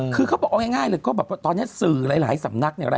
คือเขาบอกเอาง่ายเลยก็แบบว่าตอนนี้สื่อหลายสำนักเนี่ย